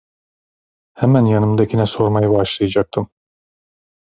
Hemen yanımdakine sormaya başlayacaktım.